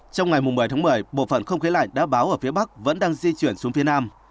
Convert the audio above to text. trong ngày một mươi tháng một mươi bộ phận không khí lạnh đã báo ở phía bắc vẫn đang di chuyển xuống phía nam